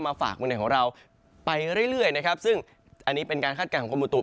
ฝากเมืองไหนของเราไปเรื่อยนะครับซึ่งอันนี้เป็นการคาดการณของกรมประตูตุม